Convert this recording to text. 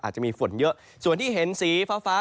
อาจจะมีฝนเยอะส่วนที่เห็นสีฟ้า